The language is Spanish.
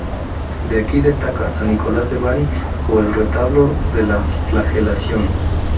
De aquí destaca "San Nicolás de Bari" o el "Retablo de la flagelación".